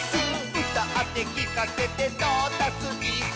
「うたってきかせてトータスイス！」